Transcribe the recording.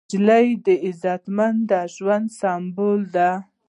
نجلۍ د عزتمن ژوند سمبول ده.